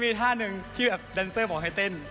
มันก็เยอะตั้งสับลัง